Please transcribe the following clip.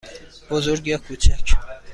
بزرگ یا کوچک؟